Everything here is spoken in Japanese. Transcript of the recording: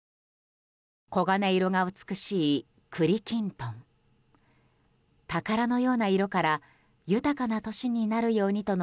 黄金色が美しい栗きんとん。